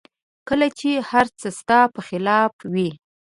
کله چې هر څه ستا په خلاف وي